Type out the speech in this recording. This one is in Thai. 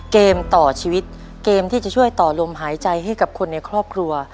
เกมต่อชีวิตเกมที่จะช่วยต่อลมหายใจให้กับคนในครอบครัว